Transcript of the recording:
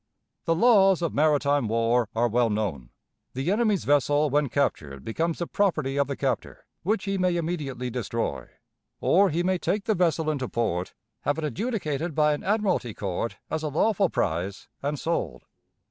The laws of maritime war are well known. The enemy's vessel when captured becomes the property of the captor, which he may immediately destroy; or he may take the vessel into port, have it adjudicated by an admiralty court as a lawful prize, and sold.